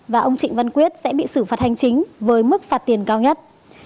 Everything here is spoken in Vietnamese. và ông trịnh văn quyết sẽ bị xử phạt hành chính với mức phạt tiền cao nhất